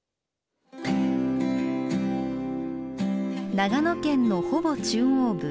長野県のほぼ中央部。